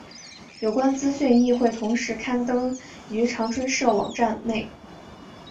有关资讯亦会同时刊登于长春社网站内。